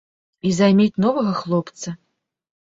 І займець новага хлопца.